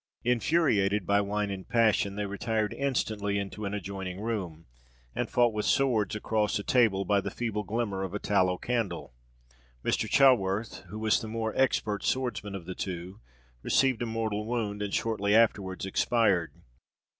Infuriated by wine and passion, they retired instantly into an adjoining room, and fought with swords across a table, by the feeble glimmer of a tallow candle. Mr. Chaworth, who was the more expert swordsman of the two, received a mortal wound, and shortly afterwards expired.